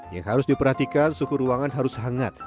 yang harus diperhatikan suhu ruangan harus hangat